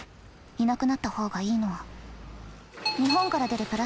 いなくなった方がいいのは。